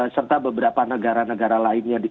serta beberapa negara negara lainnya